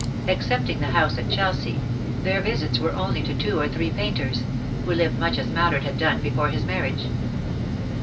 Excepting the house at Chelsea, their visits were only to two or three painters, who lived much as Mallard had done before his marriage.